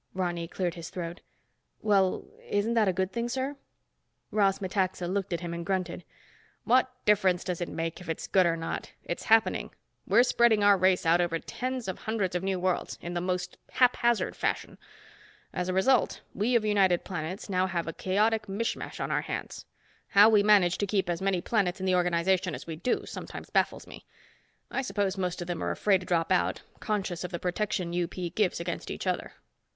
Ronny cleared his throat. "Well, isn't that a good thing, sir?" Ross Metaxa looked at him and grunted. "What difference does it make if it's good or not? It's happening. We're spreading our race out over tens of hundreds of new worlds in the most haphazard fashion. As a result, we of United Planets now have a chaotic mishmash on our hands. How we manage to keep as many planets in the organization as we do, sometimes baffles me. I suppose most of them are afraid to drop out, conscious of the protection UP gives against each other."